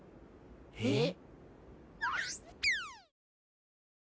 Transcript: えっ！？